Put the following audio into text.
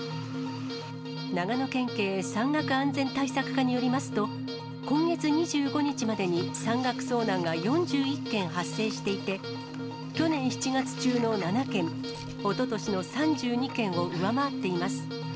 長野県警山岳安全対策課によりますと、今月２５日までに、山岳遭難が４１件発生していて、去年７月中の７件、おととしの３２件を上回っています。